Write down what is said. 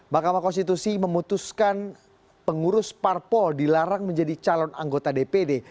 mahkamah konstitusi memutuskan pengurus parpol dilarang menjadi calon anggota dpd